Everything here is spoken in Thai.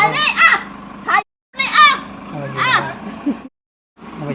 ให้มันออกมาออกมาออกมาเกร็ดมันออกมาเจ้าเนื้อออกไปเลย